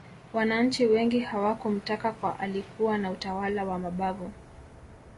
wananchi wengi hawakumtaka kwa alikuwa na utawala wa mabavu